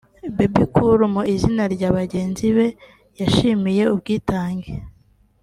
Bebe Cool mu izina rya bagenzi be yabashimiye ubwitange